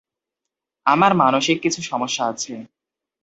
আমার মানসিক কিছু সমস্যা আছে।